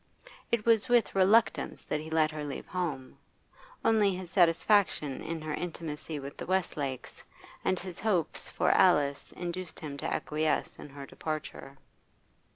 It was with reluctance that he let her leave home, only his satisfaction in her intimacy with the Westlakes and his hopes for Alice induced him to acquiesce in her departure.